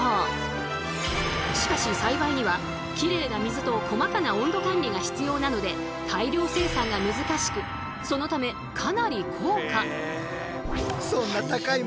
しかし栽培にはきれいな水と細かな温度管理が必要なので大量生産が難しくそのためかなり高価。